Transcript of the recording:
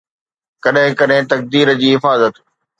ڪڏهن ڪڏهن تقدير جي حفاظت